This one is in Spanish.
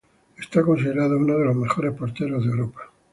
Es considerado uno de los mejores porteros de Europa.